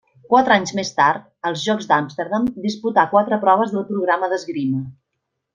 Quatre anys més tard, als Jocs d'Amsterdam, disputà quatre proves del programa d'esgrima.